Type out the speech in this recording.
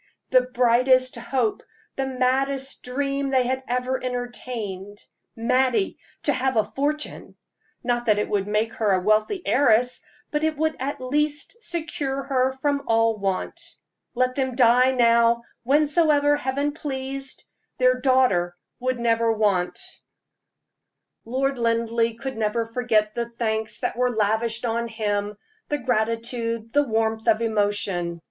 the brightest hope, the maddest dream they had ever entertained. Mattie to have a fortune! Not that it would make her a wealthy heiress, but it would at least secure her from all want. Let them die now, whensoever Heaven pleased their daughter would never want. Lord Linleigh could never forget the thanks that were lavished on him the gratitude, the warmth of emotion.